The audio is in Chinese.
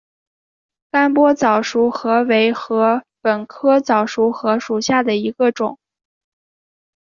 甘波早熟禾为禾本科早熟禾属下的一个种。